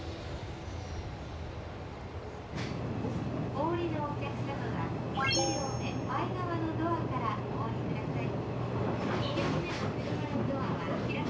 お降りのお客様は１両目前側のドアからお降り下さい。